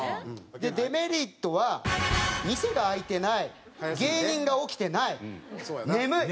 でデメリットは「店が開いていない」「芸人が起きていない」「ねむい」。